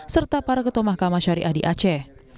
serta para ketua mahkamah syariah di aceh